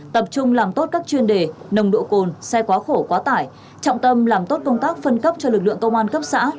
tập trung làm tốt các chuyên đề nồng độ cồn xe quá khổ quá tải trọng tâm làm tốt công tác phân cấp cho lực lượng công an cấp xã